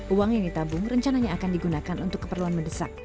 uang yang ditabung rencananya akan digunakan untuk keperluan mendesak